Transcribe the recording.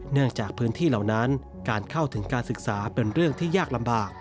เนื่องจากพื้นที่เหล่านั้นการเข้าถึงการศึกษาเป็นเรื่องที่ยากลำบาก